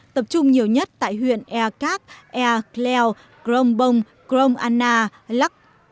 tập trung nhiều nhất tại huyện e cac e cleo crom bong crom anna lắk